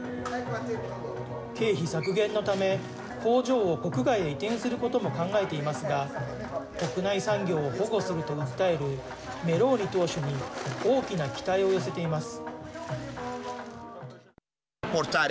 経費削減のため工場を国外に移転することも考えていますが国外産業を保護すると訴えるメローニ党首に大きな期待を寄せています。